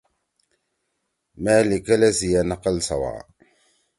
مے لیِکلے سی اے نقل سَوا۔